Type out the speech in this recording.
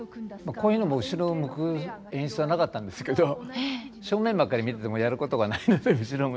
こういうのも後ろを向く演出はなかったんですけど正面ばっかり見ててもやることがないので後ろ向いて。